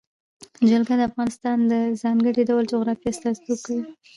جلګه د افغانستان د ځانګړي ډول جغرافیه استازیتوب کوي.